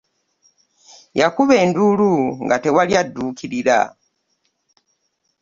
Yakuba enduulu nga tewali adduukirira.